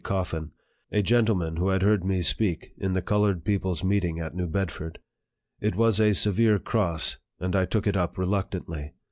Coffin, a gentleman who had heard me speak in the colored people's meeting at New Bedford. It was a severe cross, and I took it up reluctantly.